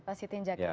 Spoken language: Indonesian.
pak sitinjak ya